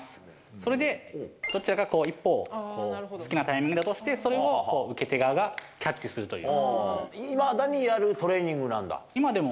それで一方を好きなタイミングで落としてそれを受け手側がキャッチするという。